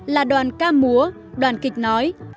là đoàn ca múa đoàn kịch nóng